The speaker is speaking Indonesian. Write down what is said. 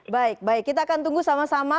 baik baik kita akan tunggu sama sama